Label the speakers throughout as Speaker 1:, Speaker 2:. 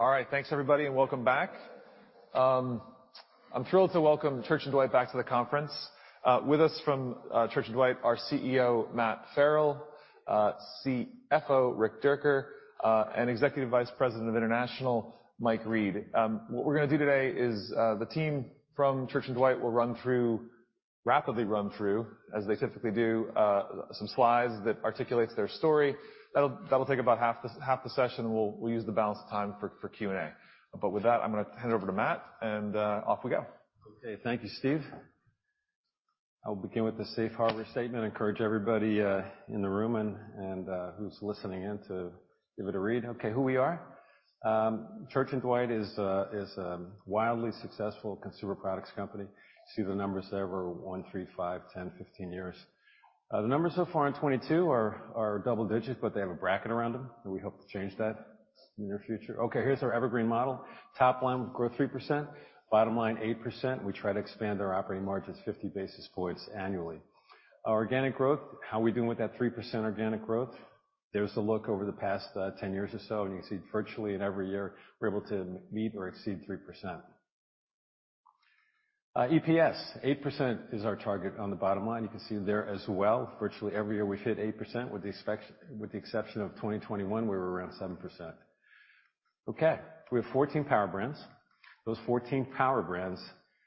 Speaker 1: All right, thanks everybody, and welcome back. I'm thrilled to welcome Church & Dwight back to the conference. With us from Church & Dwight, our CEO, Matt Farrell, CFO, Rick Dierker, and Executive Vice President of International, Mike Read. What we're gonna do today is the team from Church & Dwight will rapidly run through, as they typically do, some slides that articulates their story. That'll take about half the session. We'll use the balance of time for Q&A. With that, I'm gonna hand it over to Matt and off we go.
Speaker 2: Okay. Thank you, Steve. I'll begin with the safe harbor statement. Encourage everybody in the room and who's listening in to give it a read. Okay. Who we are. Church & Dwight is a wildly successful consumer products company. See the numbers there over one, three, five, 10, 15 years. The numbers so far in 2022 are double digits, but they have a bracket around them, and we hope to change that in the near future. Okay, here's our evergreen model. Top line, we grow 3%, bottom line, 8%. We try to expand our operating margins 50 basis points annually. Our organic growth, how we doing with that 3% organic growth? There's the look over the past 10 years or so, and you can see virtually in every year, we're able to meet or exceed 3%. EPS, 8% is our target on the bottom line. You can see there as well, virtually every year we've hit 8% with the exception of 2021, where we were around 7%. Okay, we have 14 power brands. Those 14 power brands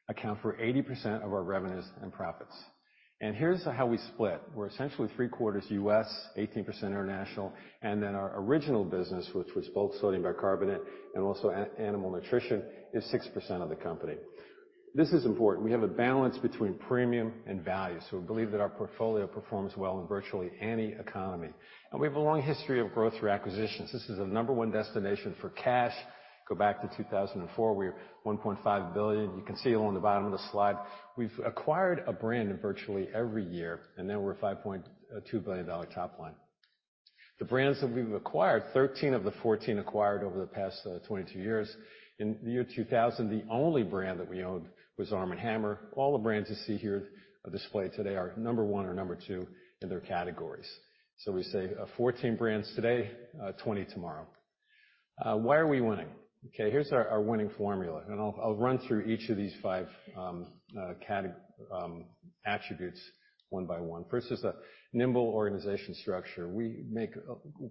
Speaker 2: account for 80% of our revenues and profits. Here's how we split. We're essentially 3/4 U.S., 18% international, and then our original business, which was both sodium bicarbonate and also animal nutrition, is 6% of the company. This is important. We have a balance between premium and value, so we believe that our portfolio performs well in virtually any economy. We have a long history of growth through acquisitions. This is the number one destination for cash. Go back to 2004, we were $1.5 billion. You can see along the bottom of the slide, we've acquired a brand in virtually every year, and now we're a $5.2 billion top line. The brands that we've acquired, 13 of the 14 acquired over the past 22 years. In the year 2000, the only brand that we owned was Arm & Hammer. All the brands you see here displayed today are number one or number two in their categories. We say 14 brands today, 20 tomorrow. Why are we winning? Okay, here's our winning formula, and I'll run through each of these five attributes one by one. First is a nimble organization structure. We make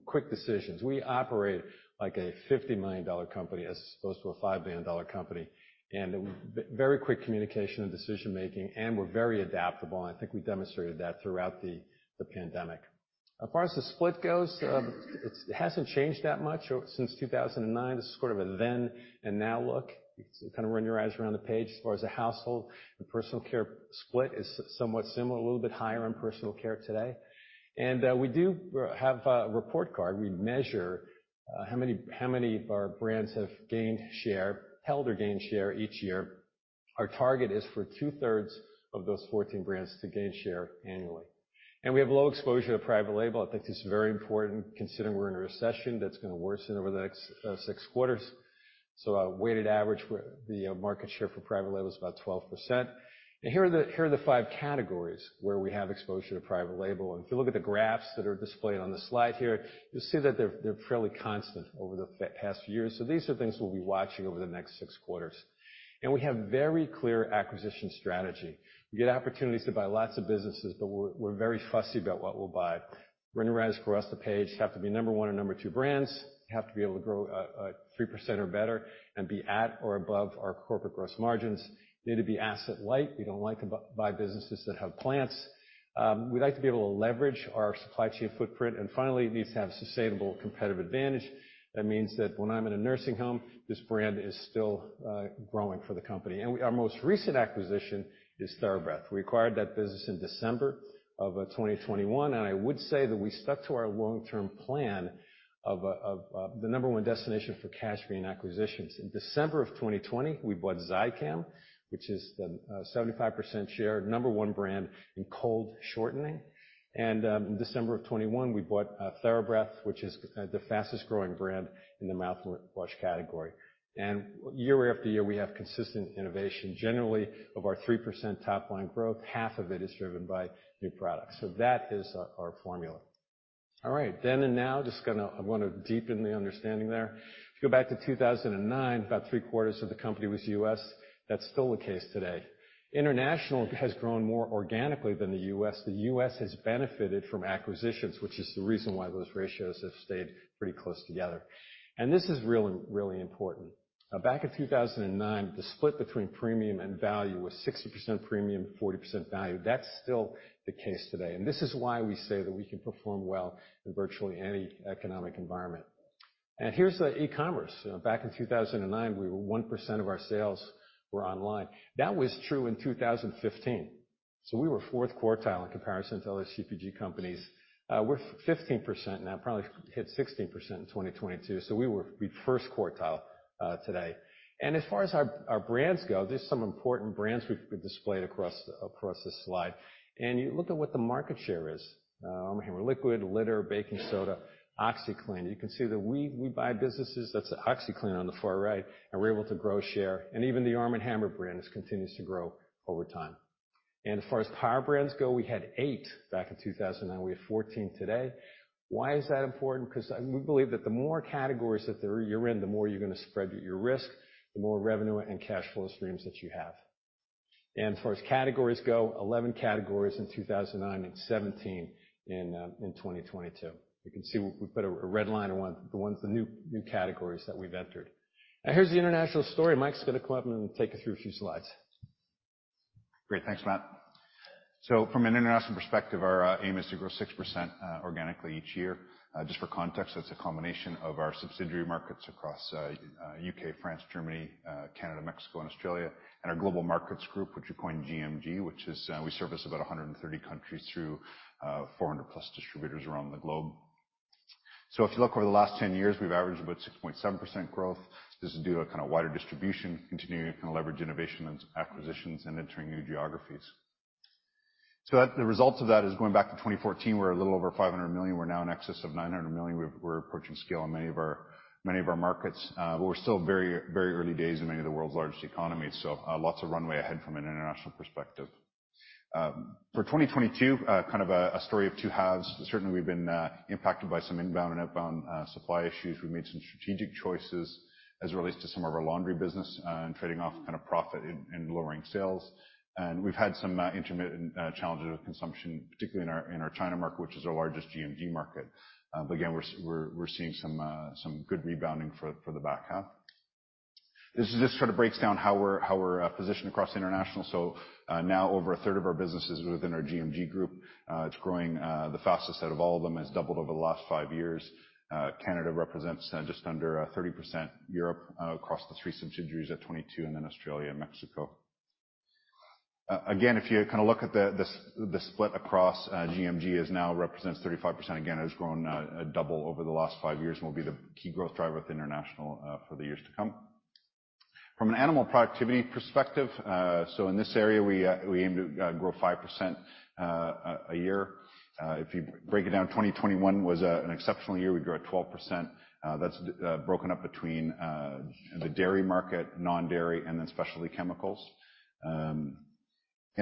Speaker 2: quick decisions. We operate like a $50 million company as opposed to a $5 billion company, and very quick communication and decision-making, and we're very adaptable, and I think we demonstrated that throughout the pandemic. As far as the split goes, it hasn't changed that much since 2009. This is sort of a then and now look. You can kinda run your eyes around the page as far as the household and personal care split is somewhat similar, a little bit higher on personal care today. We have a report card. We measure how many of our brands have held or gained share each year. Our target is for 2/3 of those 14 brands to gain share annually. We have low exposure to private label. I think this is very important considering we're in a recession that's gonna worsen over the next six quarters. A weighted average the market share for private label is about 12%. Here are the five categories where we have exposure to private label. If you look at the graphs that are displayed on the slide here, you'll see that they're fairly constant over the past few years. These are things we'll be watching over the next six quarters. We have very clear acquisition strategy. We get opportunities to buy lots of businesses, but we're very fussy about what we'll buy. Running your eyes across the page, have to be number one or number two brands, have to be able to grow 3% or better and be at or above our corporate gross margins. Need to be asset light. We don't like to buy businesses that have plants. We like to be able to leverage our supply chain footprint. Finally, it needs to have sustainable competitive advantage. That means that when I'm in a nursing home, this brand is still growing for the company. Our most recent acquisition is TheraBreath. We acquired that business in December of 2021, and I would say that we stuck to our long-term plan of the number one destination for cash being acquisitions. In December of 2020, we bought Zicam, which is the 75% share, number one brand in cold shortening. In December of 2021, we bought TheraBreath, which is the fastest-growing brand in the mouthwash category. Year after year, we have consistent innovation. Generally, of our 3% top-line growth, half of it is driven by new products. That is our formula. All right, then and now, I wanna deepen the understanding there. If you go back to 2009, about three-quarters of the company was U.S. That's still the case today. International has grown more organically than the U.S. The U.S. has benefited from acquisitions, which is the reason why those ratios have stayed pretty close together. This is really important. Now back in 2009, the split between premium and value was 60% premium, 40% value. That's still the case today, and this is why we say that we can perform well in virtually any economic environment. Here's the e-commerce. Back in 2009, we were 1% of our sales were online. That was true in 2015. We were fourth quartile in comparison to other CPG companies. We're 15% now, probably hit 16% in 2022, so we were—we first quartile today. As far as our brands go, there's some important brands we've displayed across this slide. You look at what the market share is. Arm & Hammer Liquid, Litter, Baking Soda, OxiClean. You can see that we buy businesses, that's OxiClean on the far right, and we're able to grow share, and even the Arm & Hammer brand has continues to grow over time. As far as power brands go, we had eight back in 2009. We have 14 today. Why is that important? 'Cause we believe that the more categories that you're in, the more you're gonna spread your risk, the more revenue and cash flow streams that you have. As far as categories go, 11 categories in 2009 and 17 in 2022. You can see we put a red line on the ones, the new categories that we've entered. Now, here's the international story. Mike's gonna come up and take you through a few slides.
Speaker 3: Great. Thanks, Matt. From an international perspective, our aim is to grow 6% organically each year. Just for context, that's a combination of our subsidiary markets across U.K., France, Germany, Canada, Mexico and Australia, and our global markets group, which we coin GMG, which is we service about 130 countries through 400+ distributors around the globe. If you look over the last 10 years, we've averaged about 6.7% growth. This is due to kind of wider distribution, continuing to kinda leverage innovation and some acquisitions and entering new geographies. The result of that is going back to 2014, we're a little over $500 million. We're now in excess of $900 million. We're approaching scale in many of our markets. We're still very, very early days in many of the world's largest economies, so lots of runway ahead from an international perspective. For 2022, kind of a story of two halves. Certainly, we've been impacted by some inbound and outbound supply issues. We've made some strategic choices as it relates to some of our laundry business and trading off kind of profit in lowering sales. We've had some intermittent challenges with consumption, particularly in our China market, which is our largest GMG market. Again, we're seeing some good rebounding for the back half. This just sort of breaks down how we're positioned across international. Now over a third of our business is within our GMG group. It's growing the fastest out of all of them. It's doubled over the last five years. Canada represents just under 30%. Europe across the three subsidiaries at 22%, and then Australia and Mexico. Again, if you kinda look at the split across GMG now represents 35%. Again, it has grown double over the last five years and will be the key growth driver at the international for the years to come. From an animal productivity perspective, in this area, we aim to grow 5% a year. If you break it down, 2021 was an exceptional year. We grew at 12%. That's broken up between the dairy market, non-dairy, and then specialty chemicals.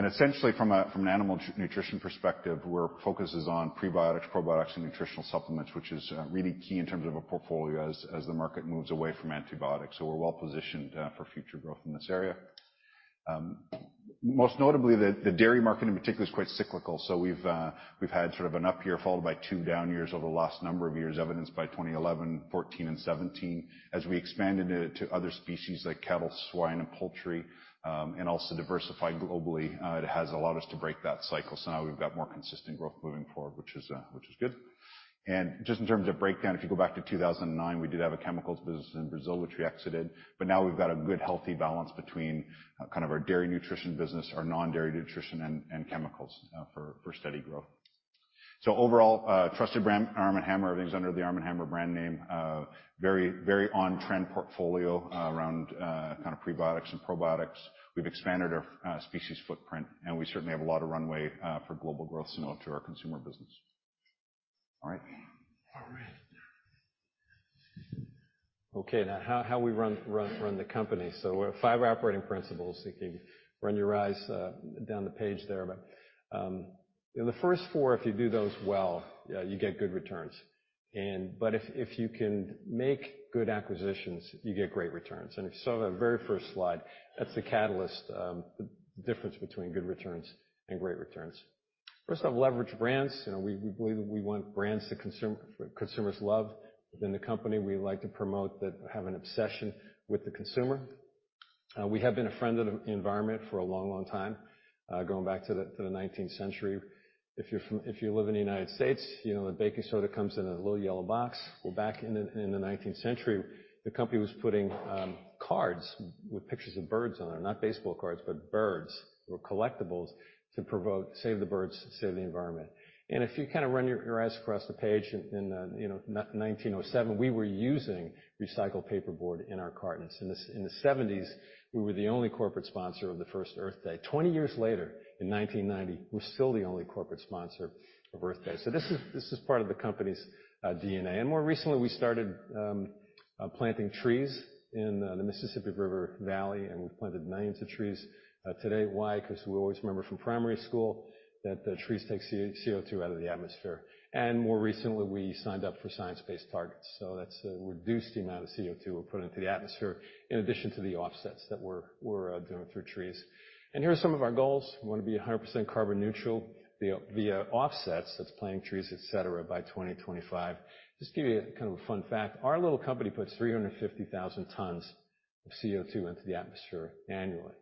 Speaker 3: Essentially from an animal nutrition perspective, our focus is on prebiotics, probiotics, and nutritional supplements, which is really key in terms of a portfolio as the market moves away from antibiotics. We're well positioned for future growth in this area. Most notably, the dairy market in particular is quite cyclical, so we've had sort of an up year followed by two down years over the last number of years, evidenced by 2011, 2014, and 2017. As we expanded to other species like cattle, swine, and poultry and also diversified globally, it has allowed us to break that cycle. Now we've got more consistent growth moving forward, which is good. Just in terms of breakdown, if you go back to 2009, we did have a chemicals business in Brazil, which we exited, but now we've got a good, healthy balance between kind of our dairy nutrition business, our non-dairy nutrition, and chemicals for steady growth. Overall, trusted brand, Arm & Hammer, everything's under the Arm & Hammer brand name. Very on-trend portfolio around kind of prebiotics and probiotics. We've expanded our species footprint, and we certainly have a lot of runway for global growth similar to our consumer business. All right.
Speaker 2: All right. Okay. Now how we run the company. We have five operating principles. You can run your eyes down the page there. In the first four, if you do those well, you get good returns. If you can make good acquisitions, you get great returns. If you saw the very first slide, that's the catalyst, the difference between good returns and great returns. First off, leverage brands. You know, we believe we want brands that consumers love. Within the company, we like to promote that have an obsession with the consumer. We have been a friend of the environment for a long, long time, going back to the nineteenth century. If you live in the United States, you know that baking soda comes in a little yellow box. Well, back in the nineteenth century, the company was putting cards with pictures of birds on there. Not baseball cards, but birds or collectibles to promote save the birds, save the environment. If you kinda run your eyes across the page, in 1907, we were using recycled paperboard in our cartons. In the 70s, we were the only corporate sponsor of the first Earth Day. 20 years later, in 1990, we're still the only corporate sponsor of Earth Day. This is part of the company's DNA. More recently, we started planting trees in the Mississippi River Valley, and we've planted millions of trees to date. Why? 'Cause we always remember from primary school that the trees take CO2 out of the atmosphere. More recently, we signed up for science-based targets, so that's reduced the amount of CO2 we're putting into the atmosphere in addition to the offsets that we're doing through trees. Here are some of our goals. We wanna be 100% carbon neutral via offsets, that's planting trees, et cetera, by 2025. Just to give you kind of a fun fact, our little company puts 350,000 tons of CO2 into the atmosphere annually.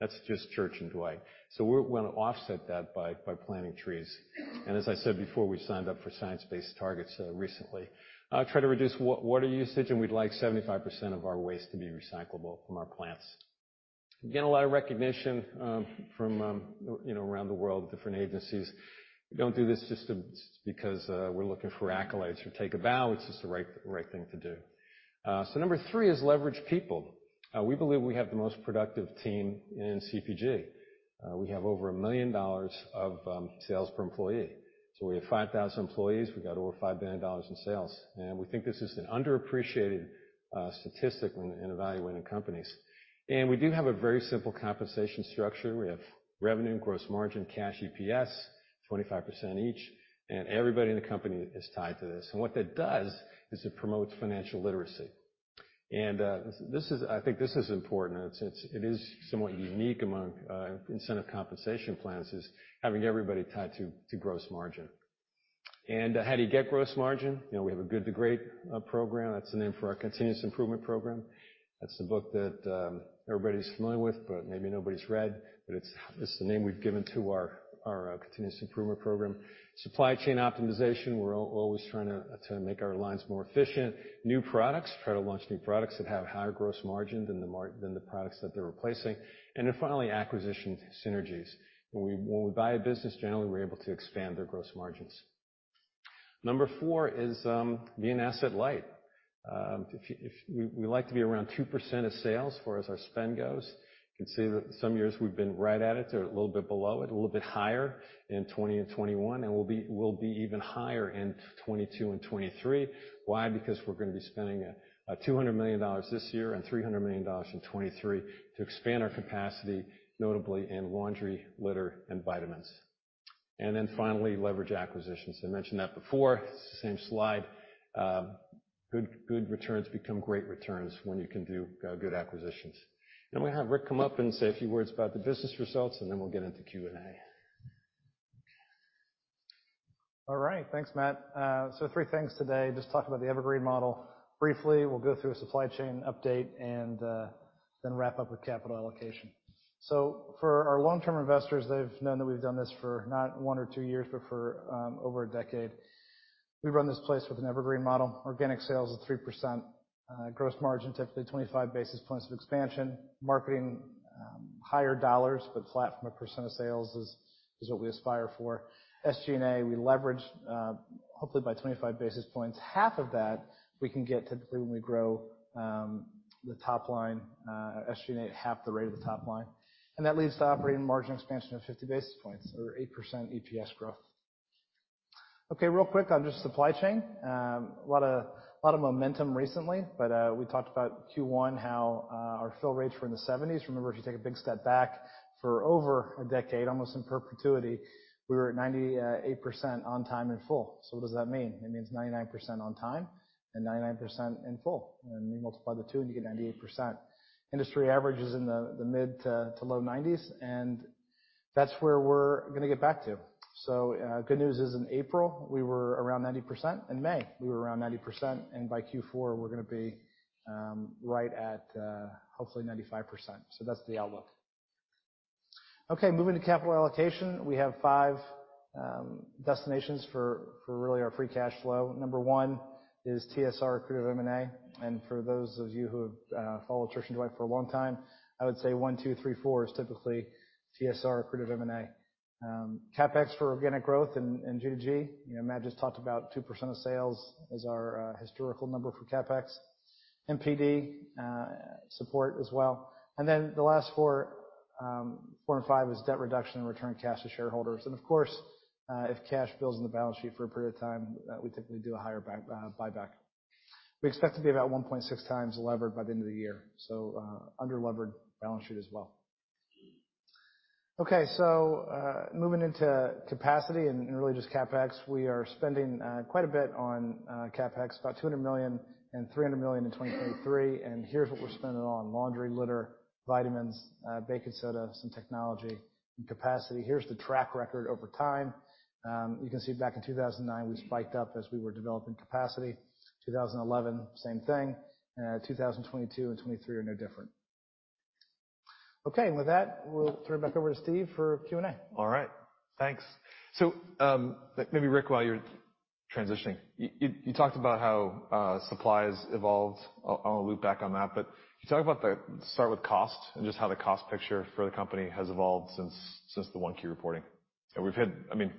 Speaker 2: That's just Church & Dwight. We're gonna offset that by planting trees. As I said before, we signed up for science-based targets recently. Try to reduce water usage, and we'd like 75% of our waste to be recyclable from our plants. Again, a lot of recognition from, you know, around the world, different agencies. We don't do this just because we're looking for accolades or take a bow. It's just the right thing to do. Number three is leverage people. We believe we have the most productive team in CPG. We have over $1 million of sales per employee. We have 5,000 employees. We got over $5 billion in sales. We think this is an underappreciated statistic in evaluating companies. We do have a very simple compensation structure. We have revenue and gross margin, cash EPS, 25% each, and everybody in the company is tied to this. What that does is it promotes financial literacy. This is. I think this is important. It is somewhat unique among incentive compensation plans, is having everybody tied to gross margin. How do you get gross margin? You know, we have a Good to Great program. That's the name for our continuous improvement program. That's the book that everybody's familiar with, but maybe nobody's read. It is the name we've given to our continuous improvement program. Supply chain optimization, we're always trying to make our lines more efficient. New products, try to launch new products that have higher gross margin than the products that they're replacing. Finally, acquisition synergies. When we buy a business, generally, we're able to expand their gross margins. Number four is being asset light. If we like to be around 2% of sales far as our spend goes. You can see that some years we've been right at it or a little bit below it, a little bit higher in 2020 and 2021, and we'll be even higher in 2022 and 2023. Why? Because we're gonna be spending $200 million this year and $300 million in 2023 to expand our capacity, notably in laundry, litter, and vitamins. Finally, leverage acquisitions. I mentioned that before. It's the same slide. Good returns become great returns when you can do good acquisitions. Now I'm gonna have Rick come up and say a few words about the business results, and then we'll get into Q&A.
Speaker 4: All right. Thanks, Matt. Three things today. Just talk about the evergreen model briefly. We'll go through a supply chain update and then wrap up with capital allocation. For our long-term investors, they've known that we've done this for not one or two years, but for over a decade. We run this place with an evergreen model. Organic sales of 3%. Gross margin, typically 25 basis points of expansion. Marketing, higher dollars, but flat as a percent of sales is what we aspire for. SG&A, we leverage hopefully by 25 basis points. Half of that we can get typically when we grow the top line, SG&A at half the rate of the top line. That leaves the operating margin expansion of 50 basis points or 8% EPS growth. Okay, real quick on just supply chain. A lot of momentum recently, but we talked about Q1, how our fill rates were in the 70s. Remember, if you take a big step back for over a decade, almost in perpetuity, we were at 98% on time in full. What does that mean? It means 99% on time and 99% in full. You multiply the two, and you get 98%. Industry average is in the mid- to low 90s, and that's where we're gonna get back to. Good news is in April, we were around 90%. In May, we were around 90%. By Q4, we're gonna be right at, hopefully 95%. That's the outlook. Okay, moving to capital allocation. We have five destinations for really our free cash flow. Number one is TSR accretive M&A. For those of you who have followed Church & Dwight for a long time, I would say one, two, three, four is typically TSR accretive M&A. CapEx for organic growth and G2G. You know, Matt just talked about 2% of sales is our historical number for CapEx. NPD support as well. Then the last four and five is debt reduction and return cash to shareholders. Of course, if cash builds in the balance sheet for a period of time, we typically do a higher buyback. We expect to be about 1.6 times levered by the end of the year. Under-levered balance sheet as well. Moving into capacity and really just CapEx, we are spending quite a bit on CapEx, about $200 million-$300 million in 2023. Here's what we're spending it on. Laundry, litter, vitamins, baking soda, some technology and capacity. Here's the track record over time. You can see back in 2009, we spiked up as we were developing capacity. 2011, same thing. 2022 and 2023 are no different. With that, we'll turn it back over to Steve for Q&A.
Speaker 1: All right. Thanks. Maybe Rick, while you're transitioning, you talked about how supply has evolved. I'll loop back on that. Can you talk about start with cost and just how the cost picture for the company has evolved since the 1Q reporting. We've had, I mean,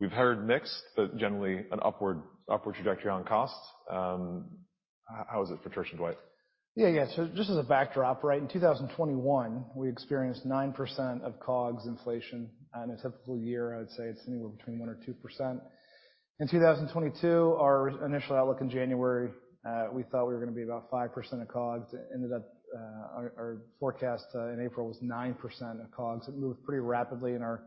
Speaker 1: we've heard mix, but generally an upward trajectory on cost. How is it for Church & Dwight?
Speaker 4: Yeah, yeah. Just as a backdrop, right? In 2021, we experienced 9% COGS inflation. On a typical year, I would say it's anywhere between 1%-2%. In 2022, our initial outlook in January, we thought we were gonna be about 5% COGS. It ended up, our forecast in April was 9% COGS. It moved pretty rapidly. In our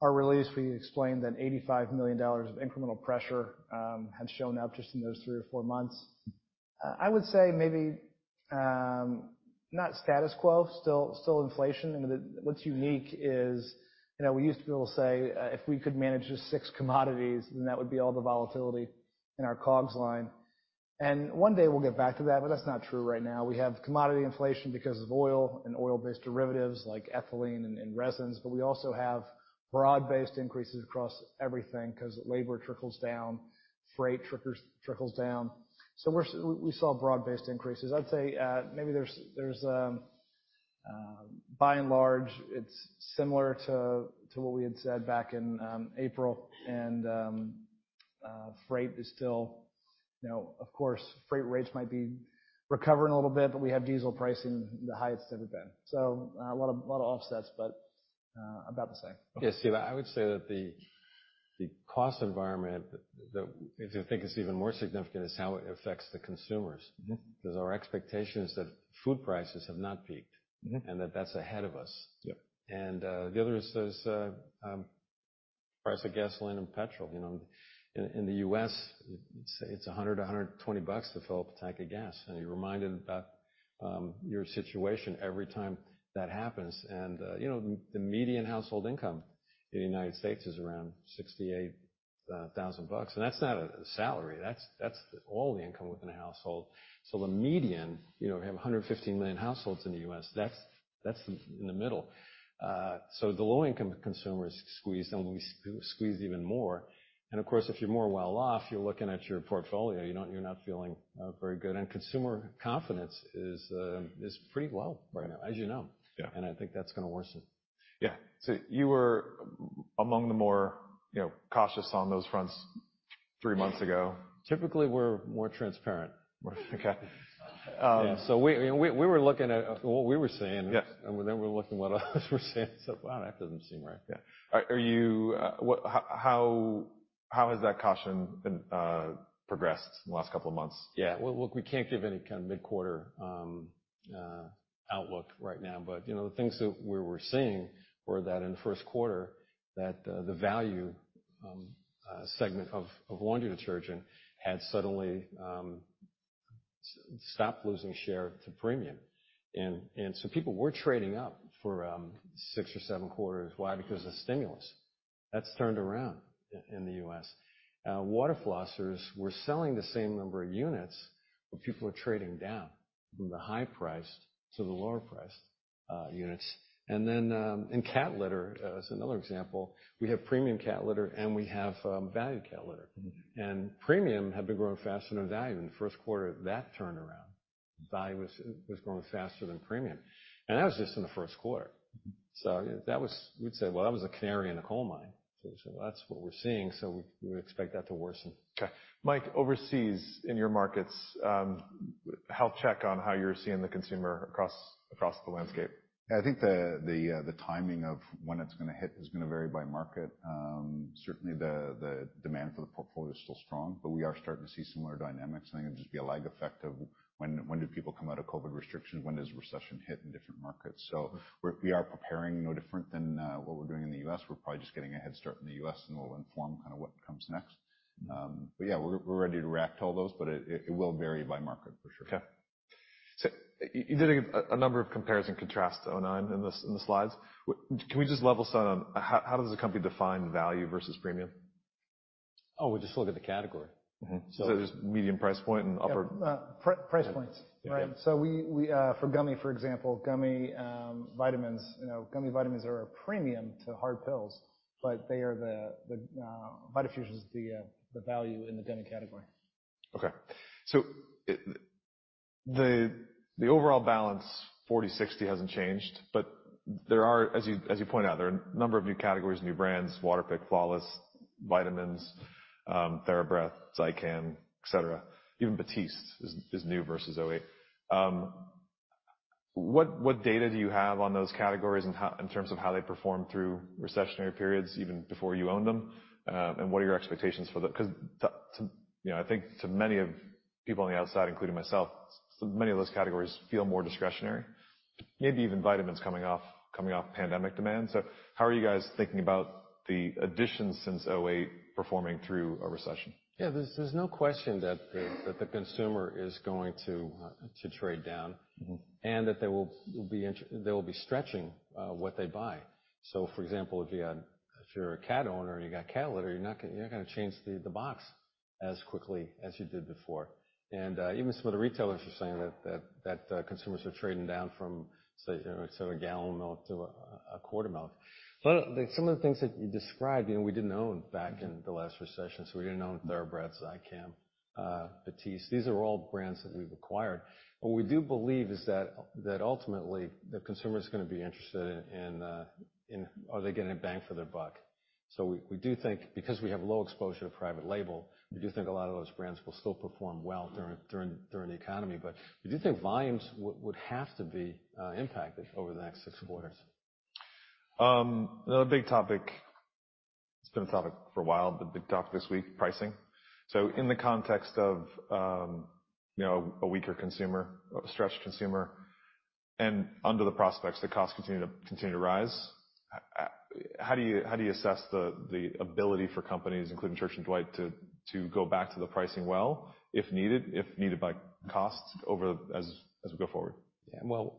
Speaker 4: release, we explained that $85 million of incremental pressure had shown up just in those three or four months. I would say maybe, not status quo, still inflation. I mean, what's unique is, you know, we used to be able to say, if we could manage just six commodities, then that would be all the volatility in our COGS line. One day we'll get back to that, but that's not true right now. We have commodity inflation because of oil and oil-based derivatives like ethylene and resins, but we also have broad-based increases across everything 'cause labor trickles down, freight trickles down. We saw broad-based increases. I'd say, maybe there's by and large, it's similar to what we had said back in April. Freight is still, you know, of course, freight rates might be recovering a little bit, but we have diesel pricing, the highest it ever been. A lot of offsets, but about the same.
Speaker 2: Yes. Steve, I would say that the cost environment that I think is even more significant is how it affects the consumers.
Speaker 4: Mm-hmm.
Speaker 2: Our expectation is that food prices have not peaked.
Speaker 4: Mm-hmm
Speaker 2: That ahead of us.
Speaker 4: Yep.
Speaker 2: The other is price of gasoline and petrol. You know, in the U.S., say it's $100-$120 to fill up a tank of gas. You're reminded about your situation every time that happens. You know, the median household income in the United States is around $68,000. That's not a salary. That's all the income within a household. The median, you know, we have 115 million households in the U.S., that's in the middle. The low-income consumers squeeze, and will be squeezed even more. Of course, if you're more well off, you're looking at your portfolio, you're not feeling very good. Consumer confidence is pretty low right now, as you know.
Speaker 4: Yeah.
Speaker 2: I think that's gonna worsen.
Speaker 1: Yeah. You were among the more, you know, cautious on those fronts three months ago.
Speaker 2: Typically, we're more transparent.
Speaker 1: Okay.
Speaker 2: We were looking at what we were seeing.
Speaker 1: Yes.
Speaker 2: We're looking at what others were seeing, and said, "Wow, that doesn't seem right.
Speaker 1: Yeah. How has that caution been progressed in the last couple of months?
Speaker 2: Yeah. Well, look, we can't give any kind of mid-quarter outlook right now, but you know, the things that we were seeing were that in the first quarter, the value segment of laundry detergent had suddenly stopped losing share to premium. People were trading up for six or seven quarters. Why? Because of the stimulus. That's turned around in the U.S. Water flossers, we're selling the same number of units, but people are trading down from the high price to the lower price units. In cat litter, as another example, we have premium cat litter, and we have value cat litter.
Speaker 1: Mm-hmm.
Speaker 2: Premium had been growing faster than our value. In the first quarter, that turned around. Value was growing faster than premium. That was just in the first quarter.
Speaker 1: Mm-hmm.
Speaker 2: We'd say, well, that was a canary in the coal mine. We said, "Well, that's what we're seeing, so we expect that to worsen.
Speaker 1: Okay. Mike, overseas in your markets, health check on how you're seeing the consumer across the landscape?
Speaker 3: I think the timing of when it's gonna hit is gonna vary by market. Certainly the demand for the portfolio is still strong, but we are starting to see similar dynamics, and I think it'll just be a lag effect of when do people come out of COVID restrictions, when does recession hit in different markets. We are preparing no different than what we're doing in the U.S. We're probably just getting a head start in the U.S, and we'll inform kind of what comes next. Yeah, we're ready to react to all those, but it will vary by market for sure.
Speaker 1: Okay. You did a number of compares and contrasts, Onin, in the slides. Can we just level set on how does the company define value versus premium?
Speaker 2: Oh, we just look at the category.
Speaker 1: Mm-hmm.
Speaker 2: So-
Speaker 1: Just medium price point and upper
Speaker 4: Yeah. Price points.
Speaker 1: Yeah.
Speaker 4: Right. We, for example, gummy vitamins, you know, gummy vitamins are a premium to hard pills, but they are the Vitafusion is the value in the gummy category.
Speaker 1: Okay. The overall balance, 40/60, hasn't changed, but there are, as you pointed out, there are a number of new categories, new brands, Waterpik, Flawless, vitamins, TheraBreath, Zicam, et cetera. Even Batiste is new versus 2008. What data do you have on those categories in terms of how they perform through recessionary periods, even before you owned them? What are your expectations for them? 'Cause, you know, I think to many people on the outside, including myself, many of those categories feel more discretionary, maybe even vitamins coming off pandemic demand. How are you guys thinking about the additions since 2008 performing through a recession?
Speaker 2: Yeah. There's no question that the consumer is going to trade down.
Speaker 1: Mm-hmm.
Speaker 2: That they will be stretching what they buy. For example, if you're a cat owner and you got cat litter, you're not gonna change the box as quickly as you did before. Even some of the retailers are saying that consumers are trading down from, say, you know, a gallon of milk to a quart of milk. Some of the things that you described, you know, we didn't own back in the last recession, so we didn't own TheraBreath, Zicam, Batiste. These are all brands that we've acquired. What we do believe is that ultimately, the consumer is gonna be interested in are they getting a bang for their buck? We do think because we have low exposure to private label, we do think a lot of those brands will still perform well during the economy, but we do think volumes would have to be impacted over the next six quarters.
Speaker 1: Another big topic, it's been a topic for a while, but big topic this week, pricing. In the context of, you know, a weaker consumer, a stretched consumer, and under the prospects that costs continue to rise, how do you assess the ability for companies, including Church & Dwight, to go back to the pricing well, if needed by costs as we go forward?
Speaker 2: Well,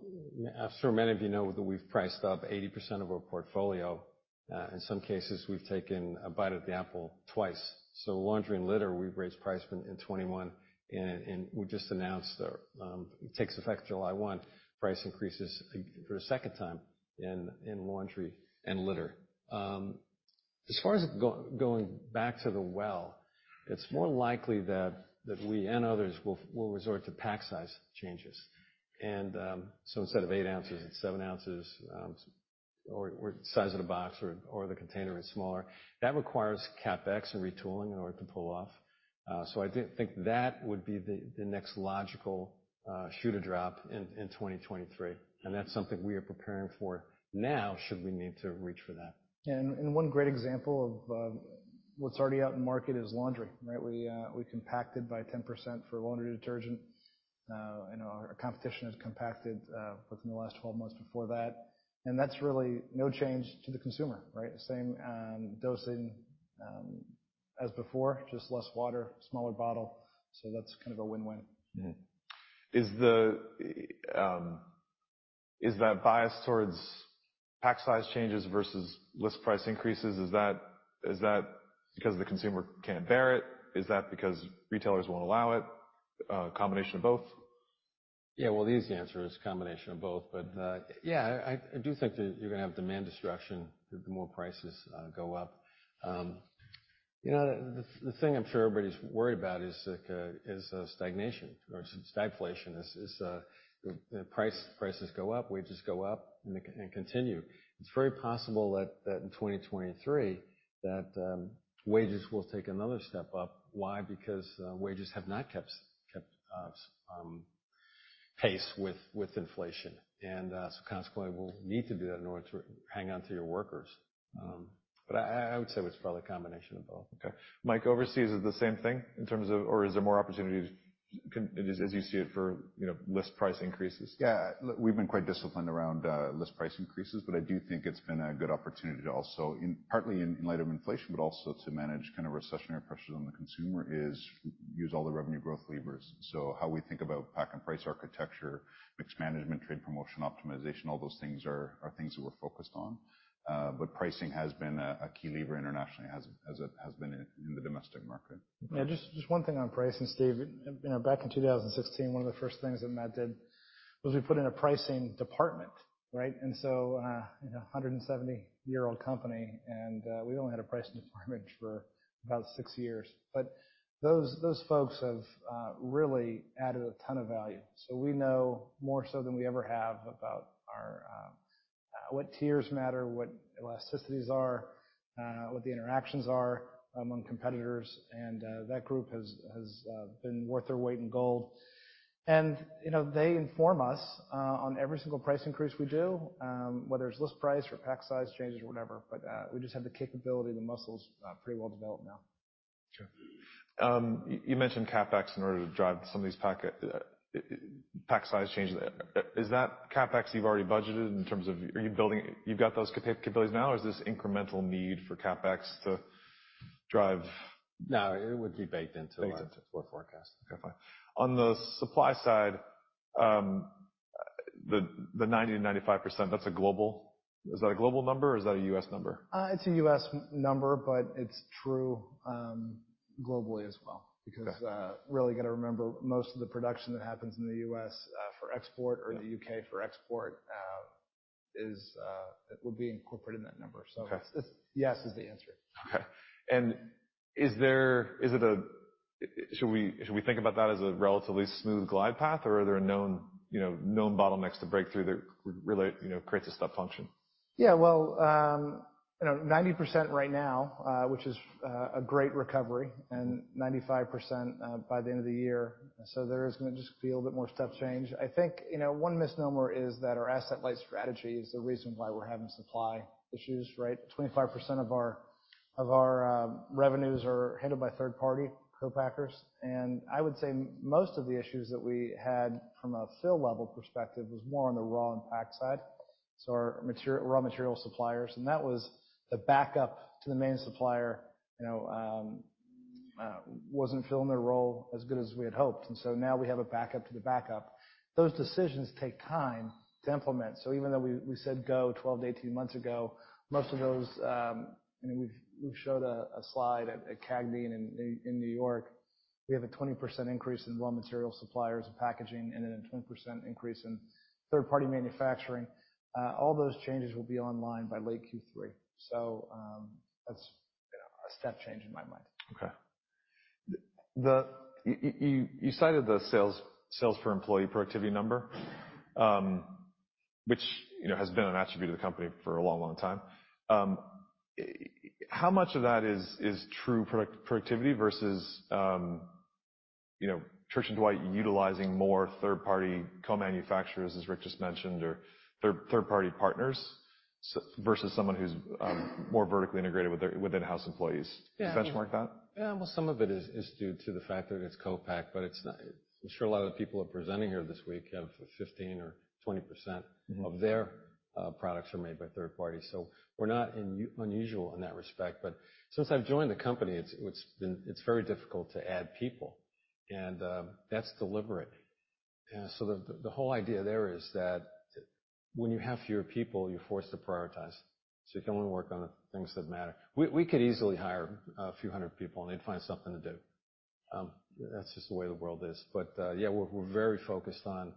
Speaker 2: I'm sure many of you know that we've priced up 80% of our portfolio. In some cases, we've taken a bite at the apple twice. Laundry and litter, we've raised price in 2021, and we just announced it takes effect July 1, price increases for a second time in laundry and litter. As far as going back to the well, it's more likely that we and others will resort to pack size changes. Instead of eight ounces, it's seven ounces, or size of the box or the container is smaller. That requires CapEx and retooling in order to pull off. I did think that would be the next logical shoe to drop in 2023, and that's something we are preparing for now should we need to reach for that.
Speaker 4: One great example of what's already out in the market is laundry, right? We compacted by 10% for laundry detergent. I know our competition has compacted within the last 12 months before that, and that's really no change to the consumer, right? The same dosing as before, just less water, smaller bottle, so that's kind of a win-win.
Speaker 2: Mm-hmm.
Speaker 1: Is that bias towards pack size changes versus list price increases, is that because the consumer can't bear it? Is that because retailers won't allow it? A combination of both?
Speaker 2: Yeah. Well, the easy answer is a combination of both. Yeah, I do think that you're gonna have demand destruction the more prices go up. You know, the thing I'm sure everybody's worried about is stagnation or stagflation. You know, prices go up, wages go up and continue. It's very possible that in 2023 wages will take another step up. Why? Because wages have not kept pace with inflation. Consequently will need to do that in order to hang on to your workers. I would say it's probably a combination of both.
Speaker 1: Okay. Mike, overseas is the same thing in terms of. Is there more opportunities as you see it for, you know, list price increases?
Speaker 3: Yeah. We've been quite disciplined around list price increases, but I do think it's been a good opportunity to also, in part, in light of inflation, but also to manage kind of recessionary pressures on the consumer, to use all the revenue growth levers. How we think about pack and price architecture, mix management, trade promotion, optimization, all those things are things that we're focused on. Pricing has been a key lever internationally, as it has been in the domestic market.
Speaker 4: Yeah. Just one thing on pricing, Steve. You know, back in 2016, one of the first things that Matt did was we put in a pricing department, right? You know, 170-year-old company, and we only had a pricing department for about six years. But those folks have really added a ton of value. So we know more so than we ever have about our what tiers matter, what elasticities are, what the interactions are among competitors. That group has been worth their weight in gold. You know, they inform us on every single price increase we do, whether it's list price or pack size changes or whatever. But we just have the capability, the muscles pretty well developed now.
Speaker 1: Sure. You mentioned CapEx in order to drive some of these pack size changes. Is that CapEx you've already budgeted in terms of you've got those capabilities now, or is this incremental need for CapEx to drive-
Speaker 2: No, it would be baked into.
Speaker 1: Baked into.
Speaker 2: our forecast.
Speaker 1: Okay, fine. On the supply side, the 90%-95%, that's a global. Is that a global number or is that a US number?
Speaker 4: It's a US number, but it's true, globally as well.
Speaker 1: Okay.
Speaker 4: Because, really got to remember, most of the production that happens in the U.S., for export or in the U.K. for export, is it would be incorporated in that number.
Speaker 1: Okay.
Speaker 4: Yes is the answer.
Speaker 1: Okay. Should we think about that as a relatively smooth glide path, or are there known, you know, known bottlenecks to break through that relate, you know, creates a step function?
Speaker 4: Yeah. Well, you know, 90% right now, which is a great recovery, and 95% by the end of the year, so there is gonna just be a little bit more step change. I think, you know, one misnomer is that our asset-light strategy is the reason why we're having supply issues, right? 25% of our revenues are handled by third-party co-packers. I would say most of the issues that we had from a fill level perspective was more on the raw and pack side. Our raw material suppliers, and that was the backup to the main supplier, you know, wasn't filling their role as good as we had hoped. Now we have a backup to the backup. Those decisions take time to implement. Even though we said go 12-18 months ago, most of those and we've showed a slide at CAGNY in New York. We have a 20% increase in raw material suppliers and packaging and then a 20% increase in third-party manufacturing. All those changes will be online by late Q3. That's, you know, a step change in my mind.
Speaker 1: Okay. You cited the sales per employee productivity number, which, you know, has been an attribute of the company for a long time. How much of that is true product productivity versus, you know, Church & Dwight utilizing more third-party co-manufacturers, as Rick just mentioned, or third-party partners versus someone who's more vertically integrated with their in-house employees?
Speaker 2: Yeah.
Speaker 1: Can you benchmark that?
Speaker 2: Yeah. Well, some of it is due to the fact that it's co-packed, but it's not. I'm sure a lot of the people presenting here this week have 15% or 20%.
Speaker 1: Mm-hmm.
Speaker 2: Of their products are made by third parties. We're not unusual in that respect. Since I've joined the company, it's been very difficult to add people, and that's deliberate. The whole idea there is that when you have fewer people, you're forced to prioritize. You can only work on things that matter. We could easily hire a few 100 people, and they'd find something to do. That's just the way the world is. Yeah, we're very focused on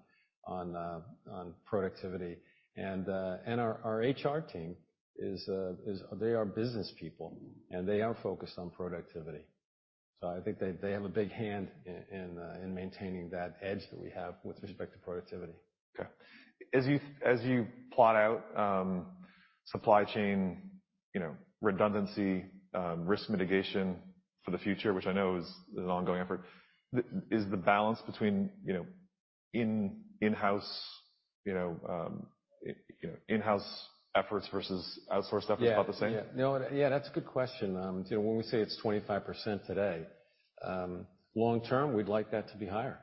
Speaker 2: productivity and our HR team they are business people, and they are focused on productivity. I think they have a big hand in maintaining that edge that we have with respect to productivity.
Speaker 1: Okay. As you plot out supply chain, you know, redundancy, risk mitigation for the future, which I know is an ongoing effort, is the balance between, you know, in-house efforts versus outsourced efforts about the same?
Speaker 2: Yeah, that's a good question. You know, when we say it's 25% today, long term, we'd like that to be higher.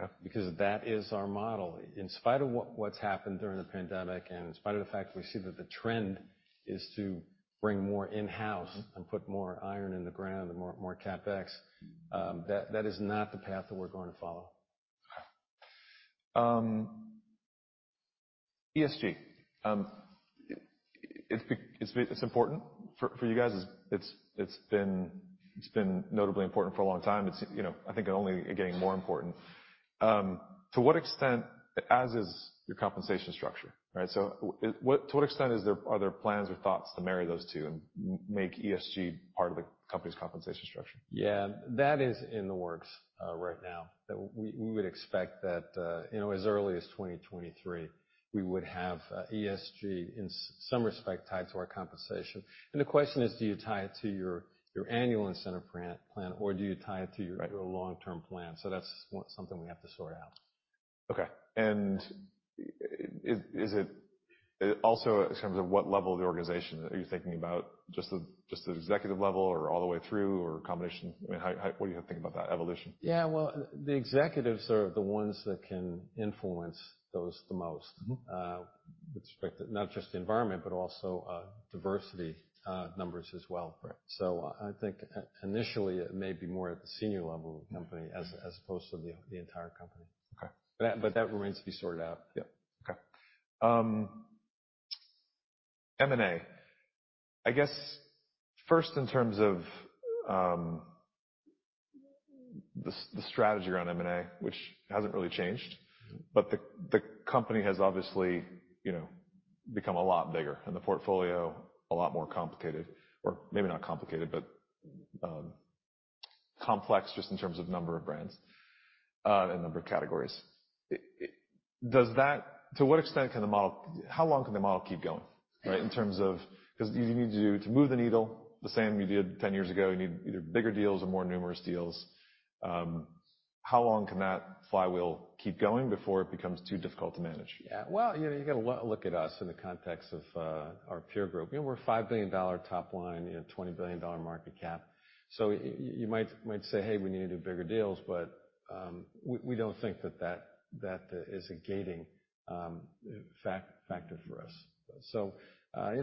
Speaker 1: Okay.
Speaker 2: Because that is our model. In spite of what's happened during the pandemic and in spite of the fact we see that the trend is to bring more in-house and put more iron in the ground and more CapEx, that is not the path that we're going to follow.
Speaker 1: Okay. ESG. It's important for you guys. It's been notably important for a long time. You know, I think only getting more important. To what extent, as is your compensation structure, right? To what extent are there plans or thoughts to marry those two and make ESG part of the company's compensation structure?
Speaker 2: Yeah. That is in the works, right now. That we would expect that, you know, as early as 2023, we would have ESG in some respect tied to our compensation. The question is, do you tie it to your annual incentive plan or do you tie it to your long-term plan? That's something we have to sort out.
Speaker 1: Okay. Is it also in terms of what level of the organization are you thinking about? Just the executive level or all the way through or a combination? I mean, what do you think about that evolution?
Speaker 2: Yeah, well, the executives are the ones that can influence those the most, with respect to not just the environment, but also diversity numbers as well.
Speaker 1: Right.
Speaker 2: I think initially it may be more at the senior level of the company as opposed to the entire company.
Speaker 1: Okay.
Speaker 2: That remains to be sorted out.
Speaker 1: M&A. I guess first in terms of the strategy around M&A, which hasn't really changed, but the company has obviously become a lot bigger and the portfolio a lot more complicated. Or maybe not complicated, but complex just in terms of number of brands and number of categories. To what extent can the model keep going, how long can the model keep going, right? In terms of, because you need to move the needle the same you did 10 years ago, you need either bigger deals or more numerous deals. How long can that flywheel keep going before it becomes too difficult to manage?
Speaker 2: Yeah. Well, you know, you got to look at us in the context of our peer group. You know, we're a $5 billion top line, you know, $20 billion market cap. You might say, "Hey, we need to do bigger deals," but we don't think that is a gating factor for us. You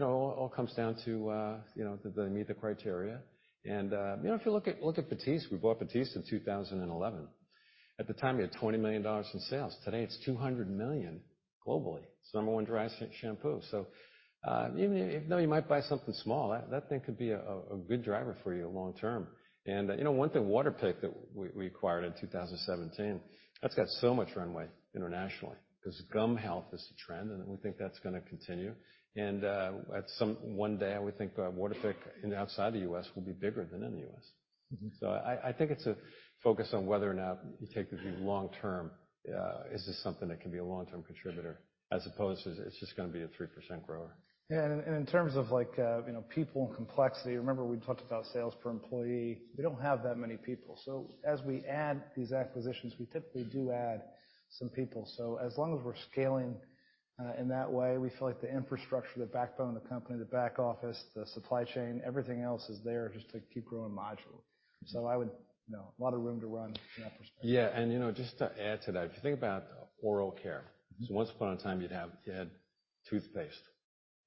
Speaker 2: know, it all comes down to, you know, did they meet the criteria? You know, if you look at Batiste, we bought Batiste in 2011. At the time, we had $20 million in sales. Today, it's $200 million globally. It's the No. 1 dry shampoo. Even though you might buy something small, that thing could be a good driver for you long term. You know, one thing, Waterpik that we acquired in 2017, that's got so much runway internationally 'cause gum health is a trend and we think that's gonna continue. At some one day, we think Waterpik outside the U.S. will be bigger than in the U.S.
Speaker 1: Mm-hmm.
Speaker 2: I think it's a focus on whether or not you take the view long term, is this something that can be a long-term contributor as opposed to it's just gonna be a 3% grower.
Speaker 4: Yeah. In terms of like, you know, people and complexity, remember we talked about sales per employee. We don't have that many people. As we add these acquisitions, we typically do add some people. As long as we're scaling in that way, we feel like the infrastructure, the backbone of the company, the back office, the supply chain, everything else is there just to keep growing module. I would, you know, a lot of room to run from that perspective.
Speaker 2: Yeah. You know, just to add to that, if you think about oral care. Once upon a time you had toothpaste,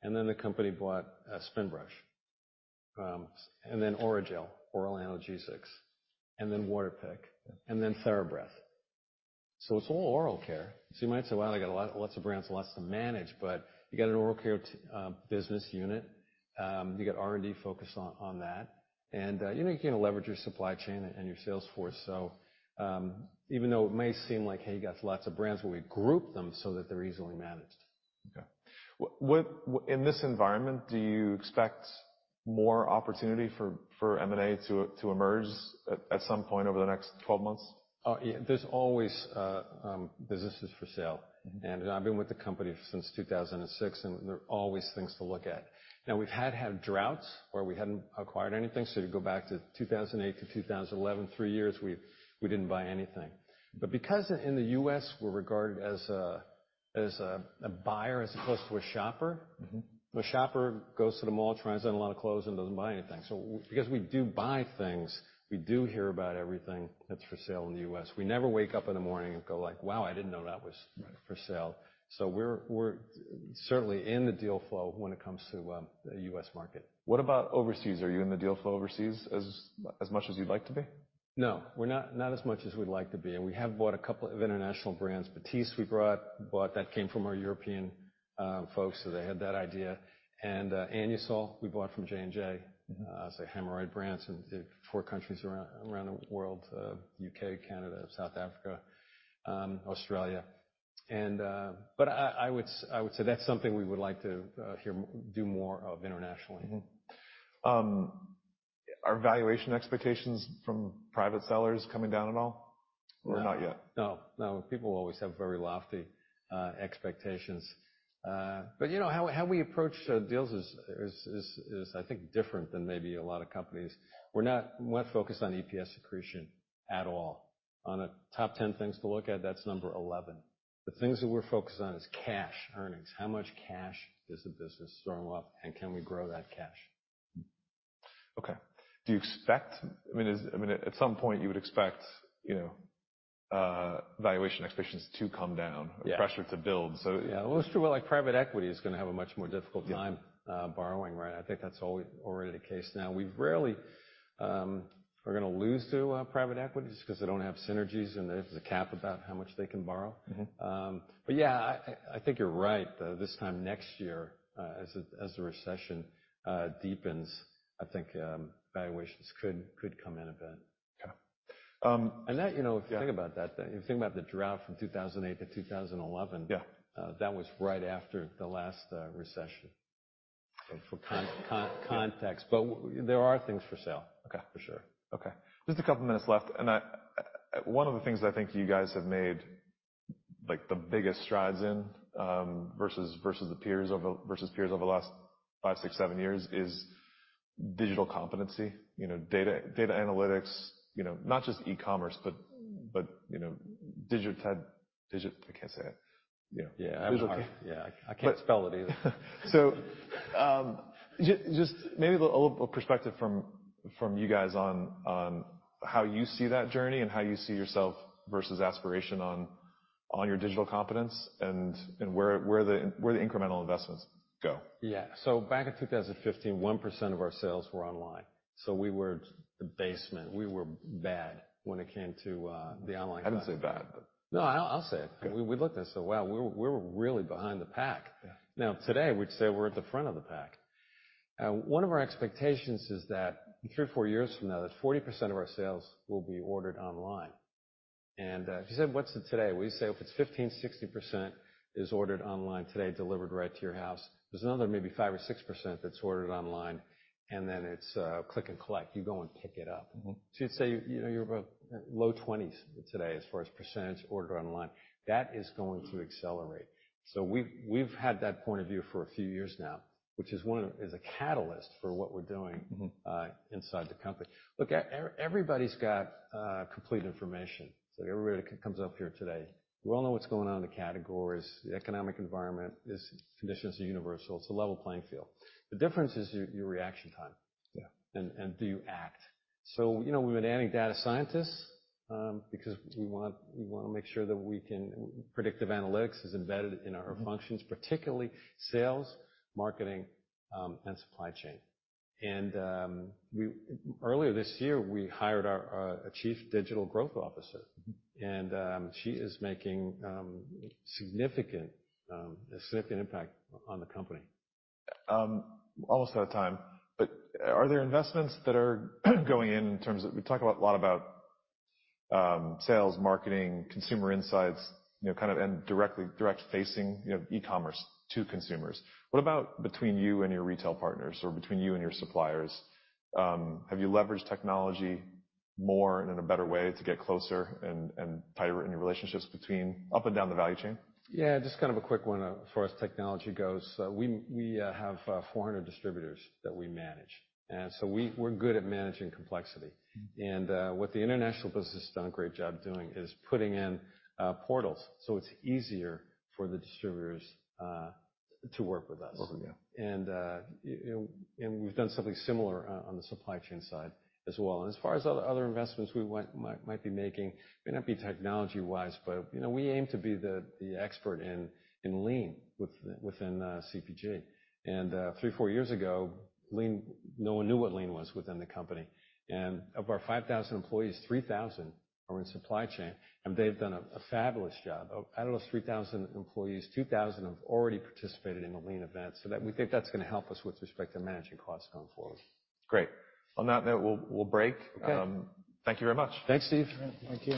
Speaker 2: and then the company bought a Spinbrush, and then Orajel, oral analgesics, and then Waterpik, and then TheraBreath. It's all oral care. You might say, "Well, I got a lot, lots of brands, lots to manage," but you got an oral care business unit. You got R&D focused on that. You know, you can leverage your supply chain and your sales force. Even though it may seem like, hey, you got lots of brands, but we group them so that they're easily managed.
Speaker 1: Okay. What in this environment do you expect more opportunity for M&A to emerge at some point over the next 12 months?
Speaker 2: Oh, yeah, there's always businesses for sale.
Speaker 1: Mm-hmm.
Speaker 2: I've been with the company since 2006, and there are always things to look at. Now, we've had droughts where we hadn't acquired anything. You go back to 2008 - 2011, three years, we didn't buy anything. Because in the U.S. we're regarded as a buyer as opposed to a shopper.
Speaker 1: Mm-hmm.
Speaker 2: A shopper goes to the mall, tries on a lot of clothes and doesn't buy anything. Because we do buy things, we do hear about everything that's for sale in the U.S. We never wake up in the morning and go like, "Wow, I didn't know that was for sale." We're certainly in the deal flow when it comes to the US market.
Speaker 1: What about overseas? Are you in the deal flow overseas as much as you'd like to be?
Speaker 2: No, we're not as much as we'd like to be. We have bought a couple of international brands. Batiste we bought. That came from our European folks, so they had that idea. Anusol, we bought from J&J. It's a hemorrhoid brand in four countries around the world. U.K., Canada, South Africa, Australia. I would say that's something we would like to do more of internationally.
Speaker 1: Are valuation expectations from private sellers coming down at all?
Speaker 2: No.
Speaker 1: Not yet?
Speaker 2: No. No. People always have very lofty expectations. You know, how we approach deals is, I think different than maybe a lot of companies. We're not focused on EPS accretion at all. One of the top 10 things to look at, that's number 11. The things that we're focused on is cash earnings. How much cash does the business throw off, and can we grow that cash?
Speaker 1: Okay. Do you expect, I mean, at some point you would expect, you know, valuation expectations to come down?
Speaker 2: Yeah.
Speaker 1: More pressure to build.
Speaker 2: Yeah. Well, it's true, like private equity is gonna have a much more difficult time.
Speaker 1: Yeah.
Speaker 2: Borrowing, right? I think that's already the case now. We rarely are gonna lose to private equities, 'cause they don't have synergies, and there's a cap about how much they can borrow.
Speaker 1: Mm-hmm.
Speaker 2: Yeah, I think you're right, though. This time next year, as the recession deepens, I think valuations could come in a bit.
Speaker 1: Okay.
Speaker 2: that, you know.
Speaker 1: Yeah.
Speaker 2: If you think about that, you think about the drought from 2008 - 2011.
Speaker 1: Yeah.
Speaker 2: That was right after the last recession. For context. There are things for sale.
Speaker 1: Okay.
Speaker 2: For sure.
Speaker 1: Okay. Just a couple minutes left, one of the things I think you guys have made, like, the biggest strides in versus peers over the last five, six, seven years is digital competency. You know, data analytics. You know, not just e-commerce, but you know, I can't say it. You know.
Speaker 2: Yeah.
Speaker 1: Digital.
Speaker 2: Yeah. I can't spell it either.
Speaker 1: Just maybe a little perspective from you guys on how you see that journey and how you see yourself versus aspiration on your digital competence and where the incremental investments go.
Speaker 2: Yeah. Back in 2015, 1% of our sales were online, so we were the basement. We were bad when it came to the online-
Speaker 1: I wouldn't say bad, but.
Speaker 2: No, I'll say it.
Speaker 1: Okay.
Speaker 2: We looked and said, "Wow, we're really behind the pack.
Speaker 1: Yeah.
Speaker 2: Now, today, we'd say we're at the front of the pack. One of our expectations is that three or four years from now, that 40% of our sales will be ordered online. If you said, "What's it today?" We say if it's 15%-60% ordered online today, delivered right to your house. There's another maybe 5% or 6% that's ordered online, and then it's click and collect. You go and pick it up.
Speaker 1: Mm-hmm.
Speaker 2: You'd say, you know, you're about low 20s today as far as percentage ordered online. That is going to accelerate. We've had that point of view for a few years now, which is a catalyst for what we're doing.
Speaker 1: Mm-hmm.
Speaker 2: Inside the company. Look, everybody's got complete information. Everybody that comes up here today, we all know what's going on in the categories. The economic environment, conditions are universal. It's a level playing field. The difference is your reaction time.
Speaker 1: Yeah.
Speaker 2: You know, we've been adding data scientists because we want, we wanna make sure that we can. Predictive analytics is embedded in our functions...
Speaker 1: Mm-hmm.
Speaker 2: particularly sales, marketing, and supply chain. Earlier this year, we hired our chief digital growth officer.
Speaker 1: Mm-hmm.
Speaker 2: She is making a significant impact on the company.
Speaker 1: Almost out of time, are there investments that are going in terms of? We talk a lot about sales, marketing, consumer insights, you know, kind of, and direct facing, you know, e-commerce to consumers. What about between you and your retail partners or between you and your suppliers? Have you leveraged technology more and in a better way to get closer and tighter in your relationships between up and down the value chain?
Speaker 2: Yeah, just kind of a quick one as far as technology goes. We have 400 distributors that we manage. We're good at managing complexity.
Speaker 1: Mm-hmm.
Speaker 2: What the international business has done a great job doing is putting in portals, so it's easier for the distributors to work with us.
Speaker 1: Work with you.
Speaker 2: You know, we've done something similar on the supply chain side as well. As far as other investments we might be making, may not be technology-wise, but, you know, we aim to be the expert in Lean within CPG. And three-four years ago, Lean, no one knew what Lean was within the company. And of our 5,000 employees, 3,000 are in supply chain, and they've done a fabulous job. Out of those 3,000 employees, 2,000 have already participated in a Lean event. That, we think that's gonna help us with respect to managing costs going forward.
Speaker 1: Great. On that note, we'll break.
Speaker 2: Okay.
Speaker 1: Thank you very much.
Speaker 2: Thanks, Steve. Thank you.